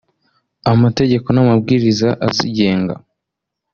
amategeko n’amabwiriza azigenga